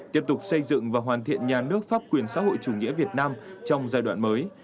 tiếp tục xây dựng và hoàn thiện nhà nước pháp quyền xã hội chủ nghĩa việt nam trong giai đoạn mới